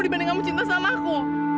dibanding kamu cinta sama aku